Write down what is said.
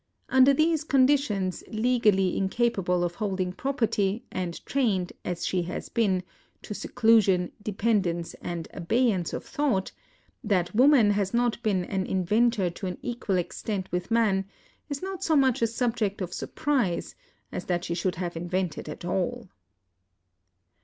Under these conditions, legally incapable of holding property, and trained, as she has been, to seclusion, dependence, and abeyance WOMAN AS AN INVENTOB. 489 of thought, that woman has not been an inventor to an equal extent with man is not so much a subject of surprise as that she should have invented at all.